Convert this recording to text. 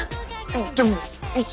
でもいつ？